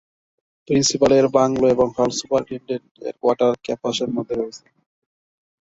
Principal এর bungalow এবং hall superintendent এর কোয়ার্টার ক্যাম্পাসের মধ্যেই রয়েছে।